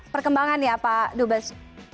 perkembangan ya pak dubas